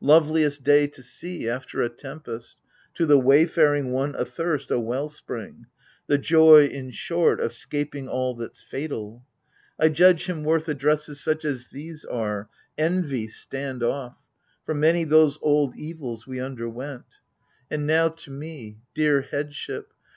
Loveliest day to see after a tempest, To the wayfaring one athirst a well spring, — The joy, in short, of scaping all that's— fatal ! I judge him worth addresses such as these are — Envy stand off !— for many those old evils AGAMF.MNON. 73 We underwent. And now, to me— dear headship